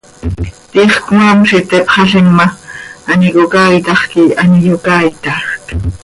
Tiix cmaam z itteepxalim ma, an icocaaitax quih an iyocaaitajc.